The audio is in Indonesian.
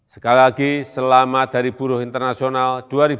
sekali lagi selamat dari buruh internasional dua ribu dua puluh